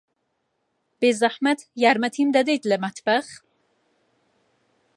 بێزەحمەت، یارمەتیم دەدەیت لە مەتبەخ؟